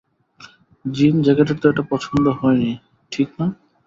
জিন জ্যাকেটের তো এটা পছন্দ হয়নি, ঠিক না?